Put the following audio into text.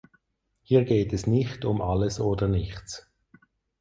Hier geht es nicht um Alles oder Nichts.